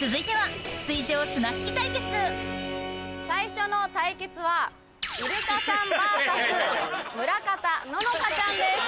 続いては最初の対決はイルカさんｖｓ村方乃々佳ちゃんです